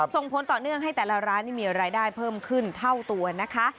ส่งผลต่อเนื่องให้แต่ละร้านนี่มีรายได้เพิ่มขึ้นเท่าตัวนะคะ